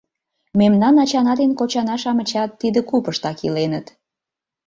Мемнан ачана ден кочана-шамычат тиде купыштак иленыт.